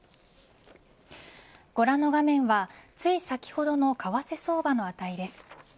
ご覧の画面はつい先ほどの為替相場の値です。